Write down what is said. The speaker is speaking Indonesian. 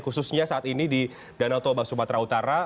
khususnya saat ini di danau toba sumatera utara